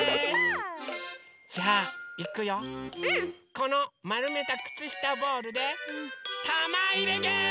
このまるめたくつしたボールでたまいれゲーム！